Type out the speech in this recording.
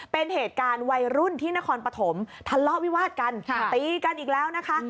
เป็นเหตุการณ์วัยรุ่นที่นครปฐมทะเลาะวิวาดกันตีกันอีกแล้วนะคะ